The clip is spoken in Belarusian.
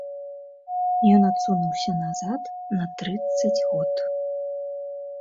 Ён адсунуўся назад на трыццаць год.